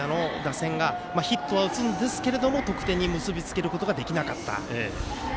和歌山の打線がヒットは打つんですけれども得点に結びつけることができなかった。